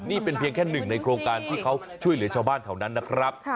นี่เป็นเพียงแค่หนึ่งในโครงการที่เขาช่วยเหลือชาวบ้านแถวนั้นนะครับ